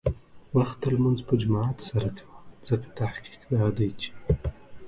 وخته لمونځ په جماعت سره کوه، ځکه تحقیق دا دی چې